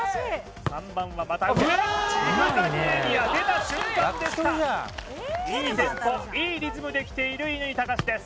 ３番はジグザグエリア出た瞬間でしたいいテンポいいリズムできている乾貴士です